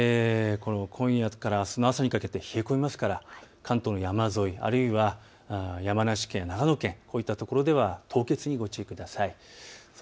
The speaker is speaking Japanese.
今夜からあすの朝にかけて冷え込みますから関東の山沿い、あるいは山梨県、長野県、こういった所では凍結にご注意ください。